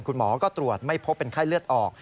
คุณหมอก็ตรวจไม่พบเป็นไข้เลือดออก